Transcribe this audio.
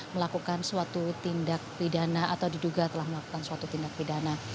melakukan suatu tindak pidana atau diduga telah melakukan suatu tindak pidana